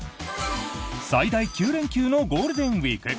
最大９連休のゴールデンウィーク。